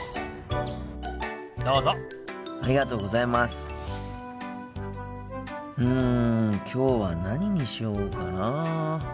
心の声うんきょうは何にしようかな。